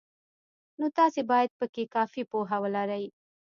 نو تاسې باید پکې کافي پوهه ولرئ.